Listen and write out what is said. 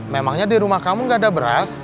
memangnya di rumah kamu gak ada beras